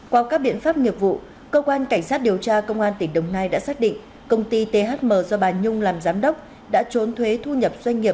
qua các biện pháp nghiệp vụ cơ quan cảnh sát điều tra công an tỉnh đồng nai đã xác định công ty thm do bà nhung làm giám đốc đã trốn thuế thu nhập doanh nghiệp với số tiền hơn ba năm tỷ đồng